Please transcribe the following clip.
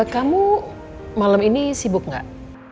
kamu malam ini sibuk gak